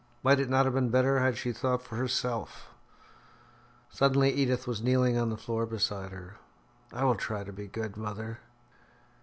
Might it not have been better had she thought for herself? Suddenly Edith was kneeling on the floor beside her. "I will try to be good, mother."